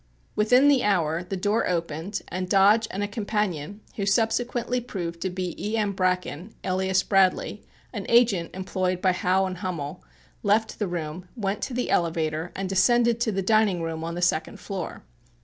Within the hour the door opened and Dodge and a companion, who subsequently proved to be E. M. Bracken, alias "Bradley," an agent employed by Howe and Hummel, left the room, went to the elevator and descended to the dining room upon the second floor.